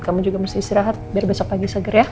kamu juga mesti istirahat dari besok pagi seger ya